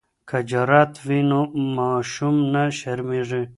که جرات وي نو ماشوم نه شرمیږي.